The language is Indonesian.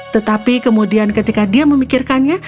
tetapi kemudian ketika dia memikirkannya